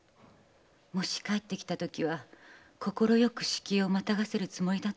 もし帰ってきたときは快く敷居をまたがせるつもりだったのでは。